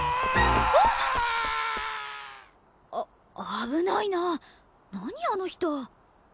あ危ないな何あの人。